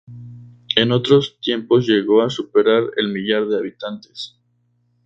En otros tiempos llegó a superar el millar de habitantes.